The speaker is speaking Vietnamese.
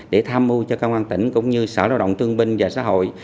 để quản lý chặt trong cộng đồng người sử dụng trái phép chất ma túy